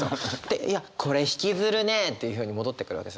でいや「これ引き摺るねー？」っていうふうに戻ってくるわけですよね。